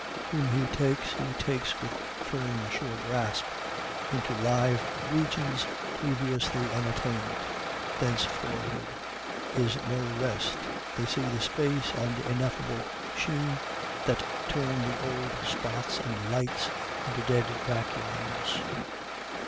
Whom he takes he takes with firm sure grasp into live regions previously unattain'd thenceforward is no rest they see the space and ineffable sheen that turn the old spots and lights into dead vacuums.